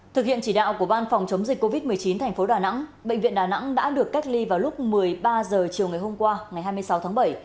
thực hiện chỉ đạo của ban phòng chống dịch covid một mươi chín thành phố đà nẵng bệnh viện đà nẵng đã được cách ly vào lúc một mươi ba h chiều ngày hôm qua ngày hai mươi sáu tháng bảy